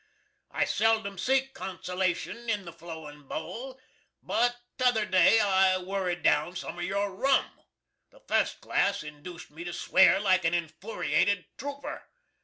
I seldom seek consolashun in the flowin Bole, but tother day I wurrid down some of your Rum. The fust glass indused me to sware like a infooriated trooper.